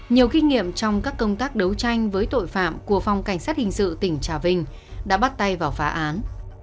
nhiều kinh nghiệm trong các công tác đấu tranh với tội phạm của phòng cảnh sát hình sự tỉnh trà vinh đã bắt tay vào phá án